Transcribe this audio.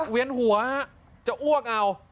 เวียนหัวจะอ้วกเอา